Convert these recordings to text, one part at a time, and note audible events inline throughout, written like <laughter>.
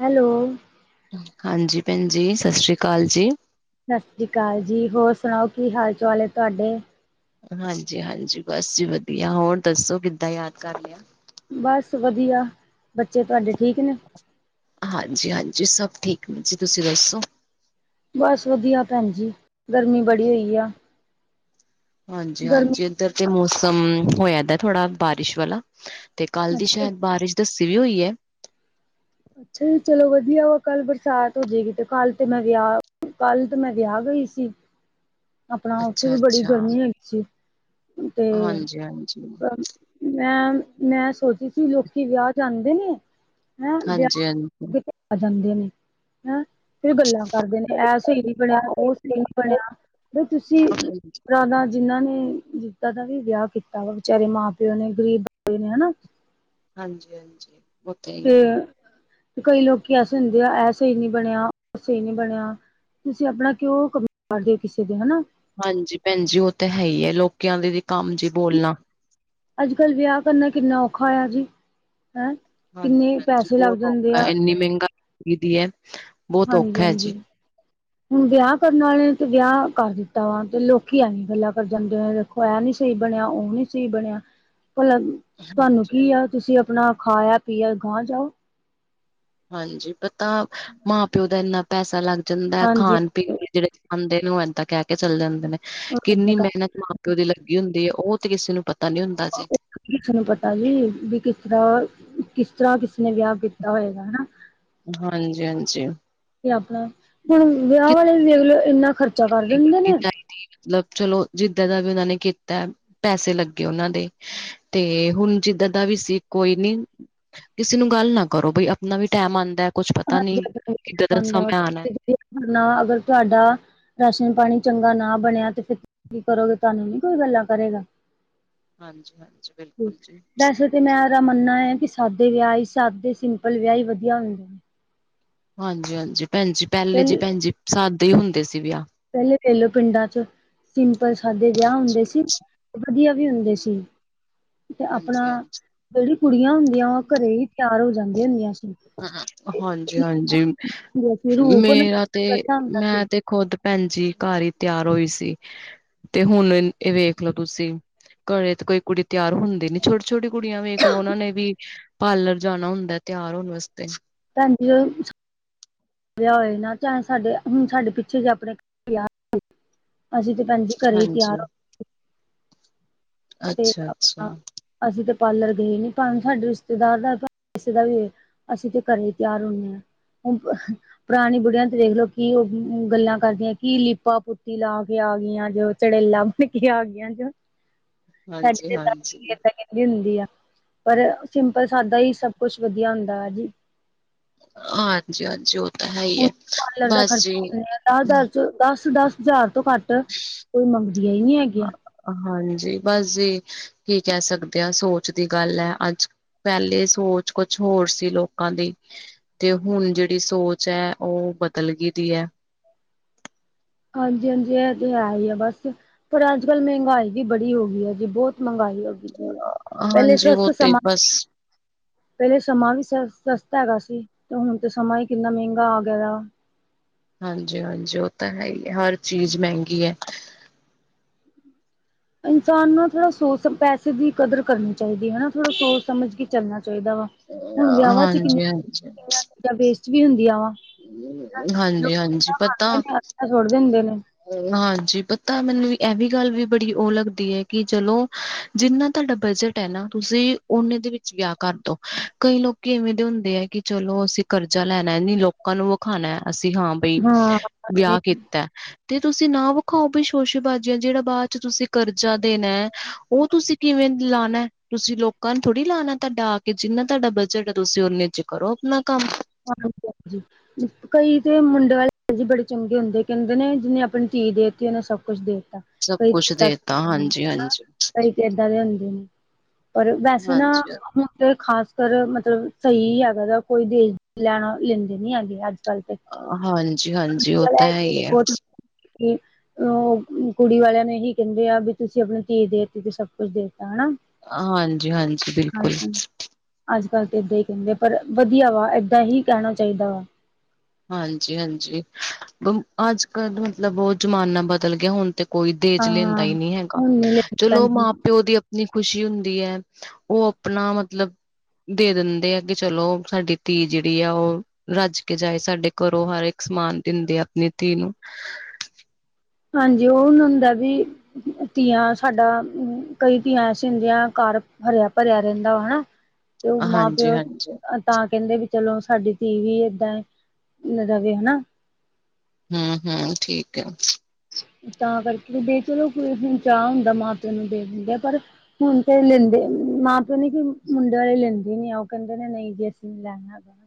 Hello ਹਾਂਜੀ ਭੈਣ ਜੀ, ਸਤਿ ਸ੍ਰੀ ਅਕਾਲ ਜੀ! ਸਤਿ ਸ਼੍ਰੀ ਅਕਾਲ ਜੀ! ਹੋਰ ਸੁਣਾਓ ਕੀ ਹਾਲ ਚਾਲ ਹੈ ਤੁਹਾਡੇ? ਹਾਂਜੀ, ਹਾਂਜੀ, ਬਸ ਜੀ ਵਧੀਆ, ਹੋਰ ਦੱਸੋ ਕਿੱਦਾਂ ਯਾਦ ਕਰ ਲਿਆ? ਬਸ ਵਧੀਆ, ਬੱਚੇ ਤੁਹਾਡੇ ਠੀਕ ਨੇ? ਹਾਂਜੀ, ਹਾਂਜੀ, ਸਭ ਠੀਕ ਨੇ ਜੀ, ਤੁਸੀਂ ਦੱਸੋ? ਬਸ ਵਧੀਆ ਭੈਣ ਜੀ, ਗਰਮੀ ਬੜੀ ਹੋਈ ਆ। ਹਾਂਜੀ, ਹਾਂਜੀ, ਗਰਮੀ ਇੱਧਰ ਤੇ ਮੌਸਮ ਹੋਇਆਦਾ ਥੋੜ੍ਹਾ ਬਾਰਿਸ਼ ਵਾਲਾ। ਤੇ ਕੱਲ ਦੀ ਅੱਛਾ ਸ਼ਾਇਦ ਬਾਰਿਸ਼ ਦੱਸੀ ਵੀ ਹੋਈ ਹੈ। ਅੱਛਾ ਜੀ, ਚਲੋ ਵਧੀਆ ਵਾ, ਕੱਲ ਬਰਸਾਤ ਹੋ ਜਾਏਗੀ। ਤੇ ਕੱਲ ਤੇ ਮੈਂ ਵਿਆਹ ਕੱਲ ਤੇ ਮੈਂ ਵਿਆਹ ਗਈ ਸੀ। ਆਪਣਾ ਉੱਥੇ ਅੱਛਾ ਵੀ ਬੜੀ ਅੱਛਾ ਗਰਮੀ ਹੈ ਤੇ ਹਾਂਜੀ ਹਾਂਜੀ ਮੈਂ, ਮੈਂ ਸੋਚਦੀ ਸੀ, ਲੋਕੀ ਵਿਆਹ ਜਾਂਦੇ ਨੇ ਹਾ ਵਿਆਹ ਹਾਂਜੀ ਕਿਤੇ ਆ ਜਾਂਦੇ ਨੇ ਹੈਂ ਫੇਰ ਗੱਲਾਂ ਕਰਦੇ ਨੇ ਇਹ ਸਹੀ ਨੀ ਬਣਿਆ ਉਹ ਸਹੀ ਨੀ ਬਣਿਆ ਵੀ ਤੁਸੀਂ ਹਾਂਜੀ ਪੁਰਾਣਾ ਜਿੰਨਾਂ ਨੇ ਜਿੱਦਾਂ ਦਾ ਵੀ ਵਿਆਹ ਕੀਤਾ ਵਾ ਵਿਚਾਰੇ ਮਾਂ ਪਿਓ ਨੇ ਗ਼ਰੀਬ ਬੰਦੇ ਨੇ ਹਨਾ। ਹਾਂਜੀ- ਹਾਂਜੀ। ਉਹ ਤਾਂ ਹੀ ਹੈ ਤੇ ਕਈ ਲੋਕੀ ਐਸੇ ਹੁੰਦੇ ਆ ਇਹ ਸਹੀ ਨੀ ਬਣਿਆ ਉਹ ਸਹੀ ਨੀ ਬਣਿਆ ਤੁਸੀਂ ਆਪਣਾ ਕਉ ਕੰਮ ਕਰਦੇ ਹੋ ਕਿਸੇ ਦੇ ਹਨਾ ਹਾਂਜੀ ਪੈਣ ਜੀ ਉਹ ਤਾਂ ਹੈ ਈ ਏ ਲੋਕੀਆਂ ਦੇ ਵੀ ਕੰਮ ਜੇ ਬੋਲਣਾ ਅੱਜ ਕੱਲ ਵਿਆਹ ਕਰਨਾ ਕਿੰਨਾ ਔਖਾ ਆ ਜੀ ਹੈਂ। ਹਾਂਜੀ ਕਿੰਨੇ -ਹਾਂਜੀ ਪੈਸੇ ਲੱਗ ਬਹੁਤ ਜਾਂਦੇ ਔਖਾ ਆ ਏਨੀ ਮਹਿੰਗਾਈ ਦੀ ਐ ਹਾਂਜੀ, ਹਾਂਜੀ। ਹੁਣ ਵਿਆਹ ਕਰਨ ਵਾਲੇ ਤੇ ਵਿਆਹ ਕਰ ਦਿੱਤਾ ਵਾ, ਤੇ ਲੋਕੀ ਐਵੇਂ ਗੱਲਾਂ ਕਰ ਜਾਂਦੇ ਕੋਈ ਆ ਨੀ ਸਹੀ ਬਣਿਆ, ਉਹ ਨੀ ਸਹੀ ਬਣਿਆ ਭਲਾ ਤੁਹਾਨੂੰ ਹਾਂਜੀ ਕੀ ਆ, ਤੁਸੀਂ ਆਪਣਾ ਖਾਇਆ-ਪੀਆ ਗਾਂਹ ਜਾਓ! ਹਾਂਜੀ ਪਤਾ <inaudible> ਮਾਂ-ਪਿਓ ਦਾ ਇੰਨਾ ਪੈਸਾ ਲੱਗ ਜਾਂਦਾ, ਹਾਂਜੀ ਖਾਣ-ਪੀਣ ਵੀ ਜਿਹੜੇ ਖਾਂਦੇ ਨੇ, ਉਹ ਇਏਦਾਂ ਕਹਿ ਕੇ ਚੱਲ ਜਾਂਦੇ ਨੇ। ਕਿੰਨੀ ਮਿਹਨਤ ਮਾਂ-ਪਿਓ ਦੀ ਲੱਗੀ ਹੁੰਦੀ ਹੈ, ਉਹ ਤੇ ਕਿਸੇ ਨੂੰ ਪਤਾ ਨੀ ਹੁੰਦਾ ਅਜੇ ਕਿਸੇ ਨੂੰ ਪਤਾ ਜੀ, ਵੀ ਕਿਸ ਤਰ੍ਹਾਂ ਕਿਸ ਤਰ੍ਹਾਂ ਕਿਸ ਨੇ ਵਿਆਹ ਕੀਤਾ ਹੋਏਗਾ, ਹਨਾ? ਤੇ ਹਾਂਜੀ, ਹਾਂਜੀ। ਆਪਣਾ ਹੁਣ ਵਿਆਹ ਵਾਲੇ ਵੀ ਦੇਖ ਲਓ, ਇੰਨਾ ਖਰਚਾ ਕਰ ਦਿੰਦੇ ਨੇ ਮਤਲਬ, ਚਲੋ ਜਿੱਦਾਂ ਦਾ ਵੀ ਉਹਨਾਂ ਨੇ ਕੀਤਾ, ਪੈਸੇ ਲੱਗੇ ਉਨ੍ਹਾਂ ਦੇ ਤੇ ਹੁਣ ਜਿੱਦਾਂ ਦਾ ਵੀ ਸੀ ਕੋਈ ਨੀ। ਕਿਸੇ ਨੂੰ ਗੱਲ ਨਾ ਕਰੋ ਬਈ ਆਪਣਾ ਵੀ ਟੈਮ ਆਉਂਦਾ ਕੁਛ ਪਤਾ ਨੀ ਹਾਂਜੀ ਕਿੱਦਾਂ ਦਾ ਸਮਾਂ ਆਨੇ ਨਾ ਅਗਰ ਤੁਹਾਡਾ ਰਾਸ਼ਨ ਪਾਣੀ ਚੰਗਾ ਨਾ ਬਣਿਆ ਤੇ ਫੇਰ ਤ ਕੀ ਕਰੋਗੇ ਤੁਹਾਨੂੰ ਨੀ ਕੋਈ ਗੱਲਾਂ ਕਰੇਗਾ ਹਾਂਜੀ- ਹਾਂਜੀ ਬਿਲਕੁਲ ਜੀ। ਵੈਸੇ ਤੇ ਮੇਰਾ ਮੰਨਣਾ ਹੈ ਕਿ ਸਾਦੇ ਵਿਆਹ ਹੀ ਸਾਦੇ ਸਿੰਪਲ ਵਿਆਹ ਹੀ ਵਧੀਆ ਹੁੰਦੇ ਨੇ। ਹਾਂਜੀ- ਹਾਂਜੀ। ਪੈਣ ਜੀ ਪਹਿਲੇ ਜੀ ਪਹਿਲ ਪੈਣ ਜੀ ਸਾਦੇ ਹੀ ਹੁੰਦੇ ਸੀ ਵਿਆਹ ਪਹਿਲੇ ਵੇਹਲੋ ਪਿੰਡਾਂ ਚ ਸਿੰਪਲ ਸਾਦੇ ਵਿਆਹ ਹੁੰਦੇ ਸੀ। ਹਾਂਜੀ ਵਧੀਯਾਂ ਵੀ ਹੁੰਦੇ ਸੀ। ਤੇ ਆਪਣਾ ਹਾਂਜੀ-ਹਾਂਜੀ, ਜੇੜੀ ਕੁੜੀਆਂ ਹੁੰਦੀਆਂ ਉਹ ਘਰੇ ਹੀ ਤਿਆਰ ਹੋ ਜਾਂਦੀਆਂ ਹੁੰਦੀਆਂ ਸੀ। ਹਾਂਜੀ- ਹਾਂਜੀ ਰੂਪ ਨਾ ਮੇਰਾ ਤੇ ਚੜ੍ਹਦਾ ਹੁੰਦਾ ਸੀ ਮੈਂ ਤੇ ਖੁਦ ਪੈਣ ਜੀ ਘਰ ਈ ਤਿਆਰ ਹੋਈ ਸੀ। ਤੇ ਹੁਣ ਇਹ ਵੇਖ ਲੋ ਤੁਸੀ ਘਰੇ ਤੇ ਕੋਈ ਕੁੜੀ ਤਿਆਰ ਹੁੰਦੀ ਨੀ ਛੋਟੀ- ਛੋਟੀ ਕੁੜੀਆਂ ਵੇਕ ਲੌ ਉਹਨਾਂ ਨੇ ਵੀ ਪਾਰਲਰ ਜਾਣਾ ਹੁੰਦਾ ਤਿਆਰ ਹੋਣ ਵਾਸਤੇ ਪੈਨ ਜੀ। ਵਿਆਹ ਹੋਏ ਨਾ ਚਾਹੇ ਸਾਡੇ ਹੁਣ ਸਾਡੇ ਪਿੱਛੇ ਜੇ ਆਪਣੇ ਕਰ ਵਿਆਹ ਅਸੀਂ ਤੇ ਪੈਨ ਜੀ ਘਰੇ ਹੀ ਹਾਂਜੀ ਤਿਆਰ ਹੋ ਤੇ ਆਪਣਾ ਅੱਛਾ-ਅੱਛਾ ਅਸੀਂ ਤੇ ਪਾਰਲਰ ਗਏ ਨੀ ਭਾਵੇਂ ਸਾਡੇ ਰਿਸ਼ਤੇਦਾਰ ਦਾ ਪਾਂਵੇ ਕਿਸੇ ਦਾ ਵੀ ਹੋਵੇ। ਅਸੀਂ ਤੇ ਘਰੇ ਈ ਤਿਆਰ ਹੁੰਨੇ ਆ। ਹੁਣ ਪਹ ਪੁਰਾਣੀ ਬੁਢੀਆਂ ਤੇ ਦੇਖਲੋ ਕਿ ਉਹ ਗੱਲਾਂ ਕਰਦੀਆਂ ਕੀ ਲੀਪਾ ਪੁੋਤੀ ਲਾ ਕੇ ਆ ਗਈਆਂ ਜੋ ਚੜੇਲਾ ਨਿੱਕੀਆਂ ਆ ਗਈਆਂ ਜ ਹਾਂਜੀ- ਹਾਂਜੀ। ਵੀ ਹੁੰਦੀ ਹੈ ਪਰ ਸਿੰਪਲ ਸਾਦਾ ਹੀ ਸਭ ਕੁਛ ਵਧੀਆ ਹੁੰਦਾ ਹੈ ਜੀ। ਹਾਂਜੀ ਹਾਂਜੀ ਹੁਣ ਪਾਰਲਰ ਦਾ ਖਰਚ ਈ ਕਿੰਨੇ ਨਾ ਦਸ। ਦੱਸ- ਦੱਸ ਹਜ਼ਾਰ ਤੋਂ ਘੱਟ ਕੋਈ ਮੰਦੀਆਂ ਹੀ ਨੀ ਹੈਗੀਆਂ। ਹਾਂਜੀ ਬਸ ਜੀ ਕੀ ਕਹਿ ਸਕਦੇ ਆ ਸੋਚ ਦੀ ਗੱਲ ਹੈ ਅੱਜ। ਪਹਿਲੇ ਸੋਚ ਕੁਛ ਹੋਰ ਸੀ ਲੋਕਾਂ ਦੀ। ਤੇ ਹੁਣ ਜਿਹੜੀ ਸੋਚ ਹੈ ਉਹ ਬਦਲ ਗਈ ਦੀ ਹੈ। ਹਾਂਜੀ-ਹਾਂਜੀ ਇਹ ਤੇ ਹੈ ਹੀ ਆ ਬਸ ਪਰ ਅੱਜ ਕੱਲ ਮਹਿੰਗਾਈ ਵੀ ਬੜੀ ਹੋ ਗਈ ਹੈ ਜੀ ਬਹੁਤ ਮਹਿੰਗਾਈ ਕੀਤੀ ਹੈ ਪਹਿਲੇ ਹਾਂਜੀ ਸਸਤ ਉਹ ਤੇ ਸਮਾ ਬਸ ਪਹਿਲੇ ਸਮਾਂ ਵੀ ਸਸਤਾ ਹੈਗਾ ਸੀ ਤੇ ਹੁਣ ਤਾਂ ਸਮਾਂ ਹੀ ਕਿੰਨਾ ਮਹਿੰਗਾ ਆ ਗਿਆ। ਹਾਂਜੀ-ਹਾਂਜੀ ਉਹ ਤਾਂ ਹੈ ਹੀ ਹਰ ਚੀਜ਼ ਮਹਿੰਗੀ ਹੈ। ਇਨਸਾਨ ਨੂੰ ਨਾ ਥੋੜ੍ਹਾ ਸੋਚ ਪੈਸੇ ਦੀ ਕਦਰ ਕਰਨੀ ਚਾਹੀਦੀ ਹੈ ਹਨਾ ਥੋੜਾ ਸੋਚ ਸਮਝ ਕੇ ਚੱਲਣਾ ਚਾਹੀਦਾ ਵਾ। ਹੁਣ ਵਿਆਹਾਂ ਚ ਕਿੰਨੀ ਹਾਂਜੀ ਹਾਂਜੀ ਚੀਜਾ ਵੇਸਟ ਵੀ ਹੁੰਦੀਆਂ ਵਾ। <unintelligible> ਲੋਕੀ ਹਾਂਜੀ-ਹਾਂਜੀ ਅੱਧਾ ਪਤਾ ਖਾਂਦੇ ਨੇ ਅੱਧਾ ਸੁੱਟ ਦਿੰਦੇ ਨੇ ਹਾਂਜੀ ਪਤਾ ਮੈਨੂੰ ਇਹ ਵੀ ਗੱਲ ਵੀ ਬੜੀ ਉਹ ਲੱਗਦੀ ਹੈ ਕਿ ਚਲੋ ਜਿੰਨਾ ਤੁਹਾਡਾ ਬਜਟ ਹੈ ਨਾ ਤੁਸੀਂ ਓਨੇ ਦੇ ਵਿੱਚ ਵਿਆਹ ਕਰਦੋ ਕਈ ਲੋਕ ਕਿ ਇਵੇਂ ਦੇ ਹੁੰਦੇ ਹੈ ਕਿ ਚਲੋ ਅਸੀਂ ਕਰਜ਼ਾ ਲੈਣਾ ਨੀ ਲੋਕਾਂ ਨੂੰ ਵਿਖਾਣਾ ਅਸੀਂ ਹਾਂ ਬਈ ਹਾਂ ਵਿਯਾਹ ਕੀਤਾ। ਤੇ ਤੁਸੀਂ ਨਾ ਵਖਾਓ ਬਈ ਸ਼ੋਸ਼ੇਬਾਜ਼ੀਆਂ ਜਿਹੜਾ ਬਾਅਦ ਚ ਤੁਸੀਂ ਕਰਜ਼ਾ ਦੇਣਾ ਹੈ ਉਹ ਤੁਸੀਂ ਕਿਵੇਂ ਲਾਣਾ ਤੁਸੀਂ ਲੋਕਾਂ ਨੂੰ ਥੋੜੀ ਲਾਣਾ ਤੁਹਾਡਾ ਆ ਕੇ ਜਿੰਨਾ ਤੁਹਾਡਾ ਬਜਟ ਹੈ ਤੁਸੀਂ ਓਨੇ ਚ ਕਰੋ। ਮੈ ਕੰਮ ਹਾਂਜੀ -ਹਾਂਜੀ। ਕਈ ਤੇ ਮੁੰਡੇ ਵਾਲੇ ਹੈ ਜੀ ਬੜੇ ਚੰਗੇ ਹੁੰਦੇ ਕਹਿੰਦੇ ਨੇ ਜਿਨੇ ਆਪਣੀ ਧੀ ਦੇ ਤੀ ਉਹਨੇ ਸਭ ਕੁਛ ਦੇ ਤਾ। ਸਭ ਕਈ ਕੁਛ ਦਿੱਤਾ ਦੇਤਾ ਹਾਂਜੀ <unintelligible> ਹਾਂਜੀ ਕਈ ਇਦਾਂ ਦੇ ਹੁੰਦੇ ਨੇ ਪਰ ਵੈਸੇ ਨਾ ਹਾਂਜੀ ਹੁਨ ਤੇ ਖਾਸ ਪਰ ਮਤਲਬ ਸਹੀ ਹੈਗਾ ਜਾ ਕੋਈ ਦੇਜ ਲੈਣਾ ਲੈਂਦੇ ਨੀ ਹੈਗੇ ਅੱਜ ਕਰਕੇ ਹਾਂਜੀ ਹਾਂਜੀ ਉਹ ਤਾਂ ਹੈ ਹੀ ਹੈ <unintelligible> ਉਹ ਕੁੜੀ ਵਾਲਿਆਂ ਨੇ ਇਹੀ ਕਹਿੰਦੇ ਆ ਵੀ ਤੁਸੀਂ ਆਪਣੀ ਧੀ ਦੇ ਤੀ ਤੇ ਸਭ ਕੁਛ ਦੇਤਾ ਹਨਾ। ਹਾਂਜੀ-ਹਾਂਜੀ ਬਿਲਕੁਲ ਹਾਂਜੀ ਅੱਜ ਕੱਲ ਤਾਂ ਏਦਾਂ ਹੀ ਕਹਿੰਦੇ ਪਰ ਵਧੀਆ ਵਾ ਏਦਾਂ ਹੀ ਕਹਿਣਾ ਚਾਹੀਦਾ ਵਾ। ਹਾਂਜੀ-ਹਾਂਜੀ ਅੱਜ ਕੱਲ ਮਤਲਬ ਉਹ ਜ਼ਮਾਨਾ ਬਦਲ ਗਿਆ ਹੁਣ ਤੇ ਕੋਈ ਦੇਜ ਲੈਂਦਾ ਹਾਂ ਹੀ ਨਹੀਂ ਹੈਗਾ ਹੁਣ ਨੀ ਲੈਂਦੇ ਚਲੋ ਭੈਣ ਜੀ ਮਾਂ ਪਿਓ ਦੀ ਆਪਣੀ ਖ਼ੁਸ਼ੀ ਹੁੰਦੀ ਹੈ ਉਹ ਆਪਣਾ ਮਤਲਬ ਦੇ ਦਿੰਦੇ ਆ ਕਿ ਚਲੋ ਸਾਡੀ ਧੀ ਜਿਹੜੀ ਆ ਉਹ ਰੱਜ ਕੇ ਜਾਏ। ਸਾਡੇ ਘਰੋਂ ਹਰ ਇੱਕ ਸਮਾਨ ਦਿੰਦੇ ਆਪਣੀ ਧੀ ਨੂੰ ਹਾਂਜੀ ਉਹ ਨੂ ਹੁਣ ਹੁੰਦਾ ਵੀ ਧੀਆਂ ਸਾਡਾ ਕਈ ਤੀਆਂ ਐਸ ਹੁੰਦੀਆਂ ਕਰ ਹਰਿਆ-ਭਰਿਆ ਰਹਿੰਦਾ ਹਨਾ ਤੇ ਉਹ ਮਾਂ ਹਾਂਜੀ ਪਿਓ ਹਾਂਜੀ ਤਾਂ ਕਹਿੰਦੇ ਵੀ ਚਲੋ ਸਾਡੀ ਧੀ ਵੀ ਇਦਾਂ ਰਵੇ ਹਨਾ। ਹੂ-ਹੂ ਠੀਕ ਹੈ। ਤਾਂ ਕਰਕੇ ਬ ਚਲੋ ਉਸ ਨੂੰ ਚਾਹ ਹੁੰਦਾ ਮਾਂ ਪਿਓ ਨੂੰ ਦੇ ਦਿੰਦੇ ਆ ਪਰ ਹੁਣ ਤੇ ਕਹਿ ਲੈਂਦੇ ਮਾਂ-ਪਿਓ ਨੇ ਕਿ ਮੁੰਡੇ ਵਾਲੇ ਲੈਂਦੇ ਨੀ ਆ ਉਹ ਕਹਿੰਦੇ ਨੇ ਨਹੀਂ ਜੀ ਅਸੀ ਲੈਣਾ ਪੈਣਾ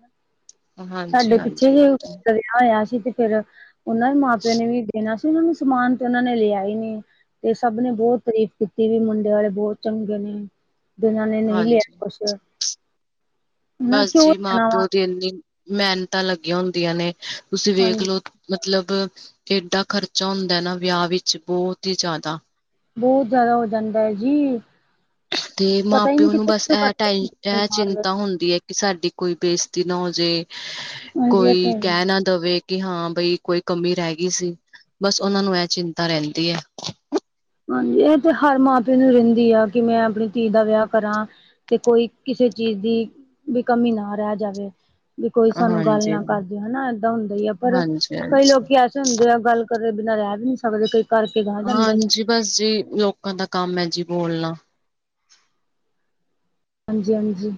ਹਾਂਜੀ-ਹਾਂਜੀ ਉਹ ਤਾਂ ਹੈ। ਦਾ ਵਿਆਹ ਹੋਇਆ ਸੀ ਤੇ ਫੇਰ ਉਹਨਾਂ ਦੇ ਮਾਂ-ਪਿਓ ਨੇ ਵੀ ਦੇਣਾ ਸੀ ਉਹਨਾਂ ਨੂੰ ਸਮਾਨ ਤੇ ਉਹਨਾਂ ਨੇ ਲਿਆ ਹੀ ਨਹੀਂ। ਤੇ ਸਭ ਨੇ ਬਹੁਤ ਤਾਰੀਫ਼ ਕੀਤੀ ਵੀ ਮੁੰਡੇ ਵਾਲੇ ਬਹੁਤ ਚੰਗੇ ਨੇ। ਜਿਨਾਂ ਨੇ ਨਹੀ ਲਿਆ ਹਾਂਜੀ ਕੁਛ। ਹਨਾ ਬਸ ਕਿਉਂ ਜੀ ਲੈਣਾ ਵਾ ਮਾਂ-ਪਿਓ ਦੀ ਇੰਨੀ ਮਿਹਨਤਾਂ ਲੱਗੀਆਂ ਹੁੰਦੀਆਂ ਨੇ ਤੁਸੀਂ ਵੇਖ ਹਾਂਜੀ। ਲੋ ਮਤਲਬ ਕਿਡਾ ਖ਼ਰਚਾ ਹੁੰਦਾ ਨਾ ਵਿਆਹ ਵਿੱਚ ਬਹੁਤ ਹੀ ਜ਼ਿਆਦਾ ਬਹੁਤ ਜ਼ਿਆਦਾ ਹੋ ਜਾਂਦਾ ਹੈ ਜੀ। ਤੇ ਪਤਾ ਹੀ ਨਹੀਂ ਮਾਂ-ਪਿਓ ਨੂੰ ਕਿੱਥੇ ਬਸ ਕਿਥੋਂ ਇਹ ਟੈ ਕਰਦੇ ਇਹ ਚਿੰਤਾ ਹੁੰਦੀ ਹੈ ਕਿ ਸਾਡੀ ਕੋਈ ਬੇਜ਼ਤੀ ਨਾ ਹੋਜੇ, ਹਾਂਜੀ ਇਹ ਤੇ ਕੋਈ ਹੈ। ਕਹਿ ਨਾ ਦਵੇ ਕਿ ਹਾਂ ਬਈ ਕੋਈ ਕਮੀ ਰਹਿ ਗਈ ਸੀ ਬਸ ਉਹਨਾਂ ਨੂੰ ਇਹ ਚਿੰਤਾ ਰਹਿੰਦੀ ਹੈ। ਹਾਂਜੀ, ਇਹ ਤੇ ਹਰ ਮਾਂ-ਪਿਓ ਨੂੰ ਰਹਿੰਦੀ ਆ ਕਿ ਮੈਂ ਆਪਣੀ ਧੀ ਦਾ ਵਿਆਹ ਕਰਾਂ। ਤੇ ਕੋਈ ਕਿਸੇ ਚੀਜ਼ ਦੀ ਵੀ ਕਮੀ ਨਾ ਰੈ ਜਾਵੇ। ਵੀ ਕੋਈ ਸਾਨੂੰ ਗੱਲ ਹਾਂਜੀ। ਨਾ ਕਰ ਜੇ ਹੈਨਾ ਏਦਾਂ ਹੁੰਦਾ ਈ ਆ, ਪਰ ਹਾਂਜੀ ਕਈ ਹਾਂਜੀ ਲੋਕੀ ਅਜ- ਕੁਛ ਹੁੰਦੇ ਆ ਗੱਲ ਕਰੇ ਬਿਨਾਂ ਰੈ ਵੀ ਨੀ ਸਕਦੇ ਕਈ ਕਰਕੇ ਗਾਹ ਜਾਂਦੇ ਨੇ। ਹਾਂਜੀ ਬਸ ਜੀ ਲੋਕਾਂ ਦਾ ਕੰਮ ਐ ਜੀ ਬੋਲਣਾ। ਹਾਂਜੀ-ਹਾਂਜੀ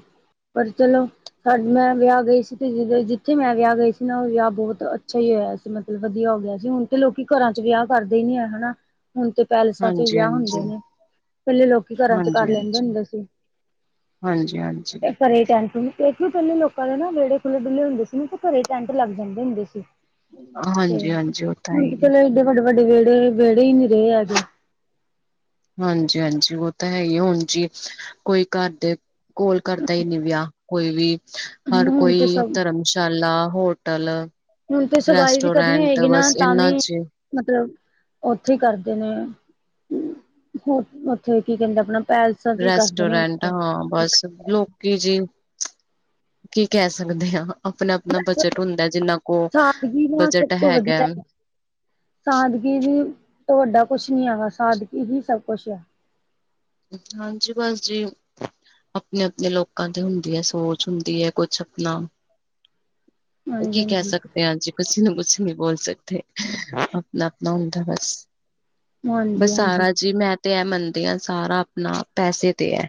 ਪਰ ਚਲੋ। ਸਾਡ ਮੈਂ ਵਿਆ ਗਈ ਸੀ ਤੇ ਜ ਜਿੱਥੇ ਮੈਂ ਵਿਆ ਗਈ ਸੀ ਨਾ ਓਹ ਵਿਆ ਬੋਤ ਅੱਛਾ ਈ ਹੋਇਆ ਸੀ। ਮਤਲਬ ਵਧੀਆ ਹੋ ਗਿਆ ਸੀ ਹੁਣ ਤੇ ਲੋਕੀ ਘਰਾਂ' ਚ ਵਿਆ ਕਰਦੇ ਈ ਨੀ ਹੈ ਹੈਨਾ। ਹੁਣ ਤੇ ਪੈਲੇਸਾਂ ਚ ਈ ਹਾਂਜੀ ਵਿਆ ਹੁੰਦੇ ਹਾਂਜੀ ਨੇ ਪੈਲੇ ਲੋਕੀ ਘਰਾਂ ਚ ਕਰ ਹਾਂਜੀ ਲੈਂਦੇ ਹਾਂਜੀ ਹੁੰਦੇ ਸੀ। ਹਾਂਜੀ ਹਾਂਜੀ। ਇਹ ਘਰੇ ਟੈਂਟ ਨੇ ਤੇ ਕੀ ਪੈਲੇ ਲੋਕਾਂ ਦੇ ਨਾ ਵੇੜੇ ਖੁੱਲ੍ਹੇ-ਡੁੱਲੇ ਹੁੰਦੇ ਸੀ ਨਾ ਤੇ ਘਰੇ ਟੈਂਟ ਲੱਗ ਜਾਂਦੇ ਹੁੰਦੇ ਸੀ। ਤੇ ਹਾਂਜੀ ਹਾਂਜੀ ਉਹ ਤਾਂ ਹੈ ਹੁਣ ਤੇ ਹੀ ਹੈ। ਚਲੋ ਏਡੇ ਵੱਡੇ-ਵੱਡੇ, ਵੇੜੇ-ਵੇੜੇ ਈ ਨੀ ਰਹੇ ਅੱਜ। ਹਾਂਜੀ-ਹਾਂਜੀ, ਉਹ ਤਾਂ ਹੈ ਹੀ ਹੁਣ ਜੀ ਕੋਈ ਘਰ ਦੇ ਕੋਲ ਕਰਦਾ ਹੀ ਨੀ ਵਿਆਹ। ਕੋਈ ਵੀ ਹਰ ਹੁਣ ਕੋਈ ਤੇ ਸਭ ਧਰਮਸ਼ਾਲਾ, ਹੋਟਲ ਹੁਣ ਤੇ ਸਗਾਈ ਵੀ ਕਰਨੀ ਰੈਸਟੋਰੈਂਟ ਹੋਏਗੀ ਨਾ ਬਸ ਤਾਂ ਇਨਾਂ ਵੀ ਚ ਮਤਲਬ ਉੱਥੇ ਕਰਦੇ ਨੇ। ਹੋਰ ਉੱਥੇ ਕੀ ਕਹਿੰਦੇ ਆਪਣਾ ਪੈਲਸ ਰੈਸਟੋਰੈਂਟ ਹਾਂ, ਬਸ ਲੋਕ ਕੀ ਜੀ ਕੀ ਕਹਿ ਸਕਦੇ ਹਾਂ? ਆਪਣਾ-ਆਪਣਾ ਬਜਟ ਹੁੰਦਾ ਜਿੰਨਾ ਕੋਲ ਸਾਦਗੀ ਨਾ ਸਭ ਬਜਟ ਤੋਂ ਹੈਗਾ। ਵਧੀਆ ਹੈ। ਸਾਦਗੀ ਦੀ ਤੋ ਵੱਡਾ ਕੁਛ ਨੀ ਹੈਗਾ ਸਾਦਗੀ ਹੀ ਸਭ ਕੁਛ ਹੈ।। ਹਾਂਜੀ, ਬਸ ਜੀ। ਆਪਣੇ-ਆਪਣੇ ਲੋਕਾਂ ਤੇ ਹੁੰਦੀ ਹੈ ਸੋਚ ਹੁੰਦੀ ਹੈ ਕੁਛ ਆਪਣਾ ਹਾਂਜੀ ਕੀ ਕਹਿ ਹਾਂਜੀ ਸਕਦੇ ਹਾਂ ਜੀ ਕਿਸੀ ਨੂੰ ਕੁਛ ਨਹੀ ਬੋਲ ਸਕਦੇ ਆਪਣਾ-ਆਪਣਾ ਹੁੰਦਾ ਬਸ। ਹਾਂਜੀ ਬਸ ਹਾਂਜੀ ਸਾਰਾ ਜੀ ਮੈਂ ਤੇ ਐ ਮੰਨਦੀ ਹਾਂ ਸਾਰਾ ਆਪਣਾ ਪੈਸੇ ਤੇ ਹੈ।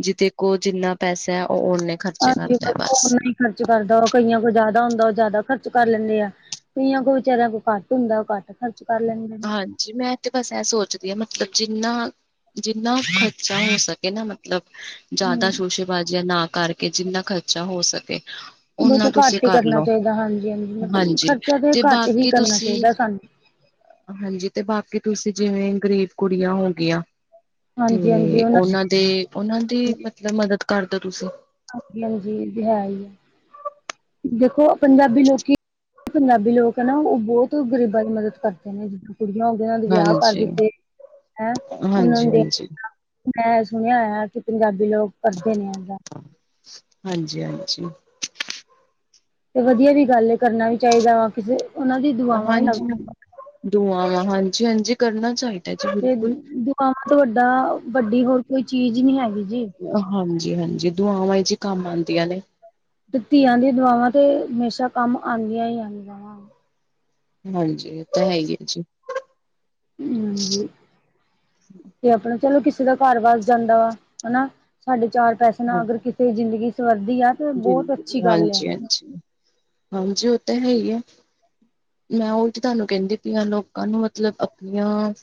ਜੀਦੇ ਕੋਲ ਜਿੰਨਾ ਪੈਸਾ ਹੈ ਓਹ ਓਨੇ ਖਰਚੇ ਹਾਂਜੀ, ਕਰਦਾ ਬੰਦਾ ਬਸ ਓਨਾ ਈ ਖਰਚ ਕਰਦਾ ਉਹ ਕਈਆਂ ਕੋਲ ਜ਼ਾਦਾ ਹੁੰਦਾ, ਓਹ ਜ਼ਾਦਾ ਖਰਚ ਕਰ ਲੈਂਦੇ ਆ। ਕਈਆਂ ਕੋ ਵਿਚਾਰਿਆ ਕੋ ਘੱਟ ਹੁੰਦਾ ਓਹ ਘੱਟ ਖਰਚ ਕਰ ਲੈਂਦੇ ਨੇ। ਜੀ, ਮੈਂ ਤੇ ਬਸ ਐ ਸੋਚਦੀ ਆ ਮਤਲਬ ਜਿੰਨਾ-ਜਿੰਨਾ ਖਰਚਾ ਹੋ ਸਕੇ ਨਾ ਮਤ- ਮਤਲਬ ਜ਼ਿਆਦਾ ਹੂੰ ਸ਼ੋਸ਼ੇਬਾਜ਼ੀਆਂ ਨਾ ਕਰਕੇ ਜਿੰਨਾ ਖਰਚਾ ਹੋ ਸਕੇ ਓਨਾਂ ਬਹੁਤ ਤੁਸੀਂ ਘੱਟ ਹੀ ਕਰਨਾ ਕਰਲਓ ਚਾਹੀਦਾ ਹਾਂਜੀ ਹਾਂਜੀ ਮਤਲਬ ਹਾਂਜੀ, ਖਰਚਾ ਤੇ ਘੱਟ ਹੀ ਬਾਕੀ ਕਰਨਾ ਤੁਸੀਂ ਚਾਹੀਦਾ ਸਾਨੂੰ। ਹਾਂਜੀ, ਤੇ ਬਾਕੀ ਤੁਸੀਂ ਜਿਵੇਂ ਗ਼ਰੀਬ ਕੁੜੀਆਂ ਹੋ ਗਈਆਂ। ਹਾਂਜੀ ਹਾਂਜੀ ਤੇ ਉਹਨਾਂ ਓਨਾਂ ਦੇ ਓਨਾਂ ਦੀ ਮਤਲਬ ਮਦਦ ਕਰਦੋ ਤੁਸੀਂ। ਹਾਂਜੀ-ਹਾਂਜੀ ਏਤੇ ਹੈ ਇਆ ਦੇਖੋ ਪੰਜਾਬੀ ਲੋਕੀਂ ਪੰਜਾਬੀ ਲੋਕ ਆ ਨਾ ਓਹ ਬੋਤ ਗ਼ਰੀਬਾਂ ਦੀ ਮਦਦ ਕਰਦੇ ਨੇ ਜ ਕੁੜੀਆਂ ਹੋਗੀਆ ਓਨਾਂ ਦੇ ਵਿਆਹ ਕਰ ਹਾਂਜੀ ਦਿੱਤੇ ਹੈਂ ਇਹ ਓਨਾਂ ਹਾਂਜੀ ਨੂੰ ਦੇਖ ਹਾਂਜੀ ਮੈਂ ਸੁਣਿਆ ਹੋਇਆ ਕਿ ਪੰਜਾਬੀ ਲੋਕ ਕਰਦੇ ਨੇ ਏਦਾਂ। ਹਾਂਜੀ-ਹਾਂਜੀ। ਤੇ ਵਧੀਆ ਵੀ ਗੱਲ ਏ ਕਰਨਾ ਵੀ ਚਾਈਦਾ ਵਾ ਕਿਸੇ ਓਨਾਂ ਦੀ ਦੁਆਵਾਂ ਈ ਲੱਗਦੀਆਂ। ਦੂਆਵਾਂ ਹਾਂਜੀ-ਹਾਂਜੀ ਕਰਨਾ ਚਾਈਦਾ। ਤੇ ਦੁਆਵਾਂ ਤੋਂ ਵੱਡਾ- ਵੱਡੀ ਹੋਰ ਕੋਈ ਚੀਜ਼ ਈ ਨੀ ਹੈਗੀ ਜੀ। ਹਾਂਜੀ-ਹਾਂਜੀ ਦੁਆਵਾਂ ਜੀ ਈ ਕੰਮ ਆਂਦੀਆਂ ਨੇ। ਤੇ ਧੀਆਂ ਦੀਆਂ ਦਵਾਵਾਂ ਤੇ ਹਮੇਸ਼ਾ ਕੰਮ ਆਂਦੀਆਂ ਈ ਆਂਦੀਆਂ ਵਾ। ਹਾਂਜੀ, ਓ ਤੇ ਹੈ ਈ ਐ ਜੀ। ਹਾਜੀ, ਤੇ ਆਪਣਾ ਚਲੋ, ਕਿਸੇ ਦਾ ਘਰ ਵਸ ਜਾਂਦਾ ਵਾ ਹਨਾ, ਸਾਡੇ ਚਾਰ ਪੈਸੇ ਹਨਾ, ਹਾਂ ਅਗਰ ਕਿਸੇ ਦੀ ਜ਼ਿੰਦਗੀ ਸਵਰਦੀ ਆ ਤੇ ਬੋਤ ਜ਼ਿੰਦਗੀ ਅੱਛੀ ਗੱਲ ਆ। ਹਾਂਜੀ ਹਾਂਜੀ, ਓ ਤੇ ਹੈ ਈ ਐ। ਮੈਂ ਓਈ ਤੇ ਤਾਨੂੰ ਕੇਂਦੀ ਪਈ ਆਂ, ਲੋਕਾਂ ਨੂੰ ਮਤਲਬ ਆਪਣੀਆਂ-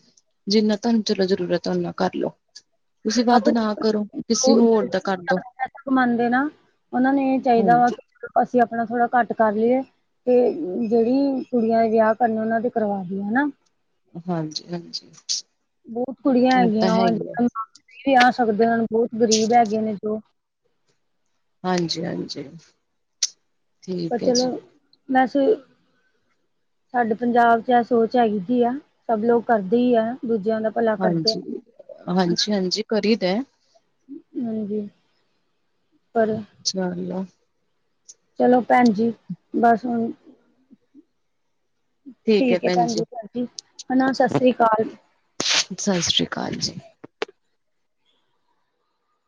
ਜਿੰਨਾ ਤਾਨੂੰ ਚਲੋ ਜ਼ਰੂਰਤ ਐ ਓਨਾ ਕਰ ਲੋ। ਤੁਸੀਂ ਵੱਧ ਨਾ ਕਰੋ, ਆਪਣੇ ਕਿਸੇ ਜੋ ਜਿਹੜੇ ਹੋਰ ਦਾ ਕਰਦੋ। ਓਨਾਂ ਨੂੰ ਏ ਚਾਈਦਾ ਵਾ ਹਾਂਜੀ ਕਿ, ਅਸੀਂ ਆਪਣਾ ਥੋੜ੍ਹਾ ਘੱਟ ਕਰ ਲੀਏ। ਤੇ ਜੇੜੀ ਕੁੜੀਆਂ ਦੇ ਵਿਆਹ ਕਰਨੇ ਓਨਾਂ ਦੇ ਕਰਵਾ ਦੋਗੇ, ਹਨਾ ਹਾਂਜੀ, ਹਾਂਜੀ। ਬੋਤ ਕੁੜੀਆਂ ਇਹ ਤਾਂ ਹੈਗੀਆਂ ਹੈ ਵਾ ਹੀ ਹੈ <inaudible> ਵਿਆ ਸਕਦੇ ਓਨਾਂ ਨੂੰ ਬੋਤ ਗ਼ਰੀਬ ਹੈਗੇ ਨੇ ਜੋ ਹਾਂਜੀ, ਹਾਂਜੀ। ਪਰ ਠੀਕ ਹੈ ਚਲੋ ਜੀ ਵੈਸੇ ਸਾਡੇ ਪੰਜਾਬ ਚ ਐ ਸੋਚ ਹੈਗੀਦੀ ਆ ਸਭ ਲੋਕ ਕਰਦੇ ਈ ਐ ਦੂਜਿਆਂ ਦਾ। ਭਲਾ ਕਰਦੇ ਹਾਂਜੀ, ਨੇ। ਹਾਂਜੀ-ਹਾਂਜੀ ਕਰੀ ਦਾ। ਹਾਂਜੀ, ਪਰ <unintelligible> ਚਲੋ ਪੈਂਜੀ, ਬੱਸ ਹੁਨ ਠੀਕ ਹੈ ਭੈਣੀ ਜੀ ਭੈਜੀ, ਹਨਾ ਸਸਰੀ ਕਾਲ। ਸਤਿ ਸ੍ਰੀ ਅਕਾਲ ਜੀ